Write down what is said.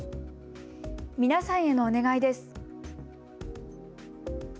皆さんへのお願いです。